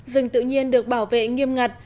rừng tự nhiên được bảo vệ nghiêm ngặt